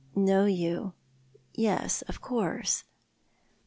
" Know you — yes, of course."